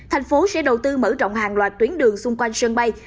thành phố sẽ đầu tư mở rộng hàng loạt tuyến đường xung quanh sân bay